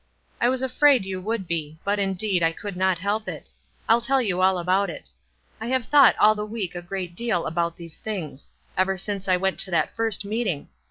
"I was afraid you would be; but, indeed, I could not help it. I'll tell you all about it. I have thought all the week a great deal about these things — ever since I went to that first meeting.